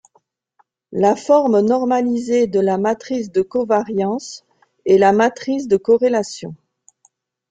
La forme normalisée de la matrice de covariance est la matrice de corrélation.